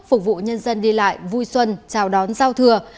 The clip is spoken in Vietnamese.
phục vụ nhân dân đi lại vui xuân chào đón giao thừa